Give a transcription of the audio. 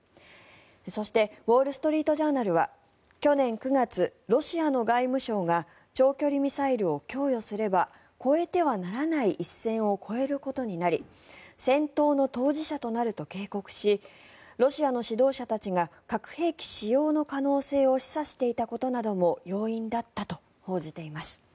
そして、ウォール・ストリート・ジャーナルは去年９月、ロシアの外務省が長距離ミサイルを供与すれば越えてはならない一線を越えることになり戦闘の当事者となると警告しロシアの指導者たちが核兵器使用の可能性を示唆していたことなども要因だったと報じています。